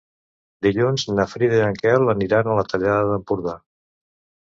Dilluns na Frida i en Quel aniran a la Tallada d'Empordà.